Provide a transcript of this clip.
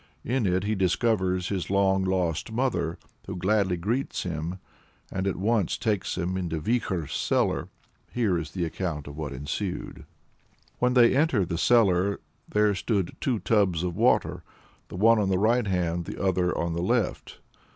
In it he discovers his long lost mother, who gladly greets him, and at once takes him into Vikhor's cellar. Here is the account of what ensued. Well, they entered the cellar; there stood two tubs of water, the one on the right hand, the other on the left.